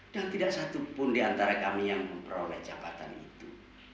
dan tidak satu pun di antara kami yang memperoleh jabatan itu